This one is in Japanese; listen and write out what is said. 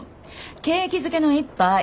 景気づけの一杯。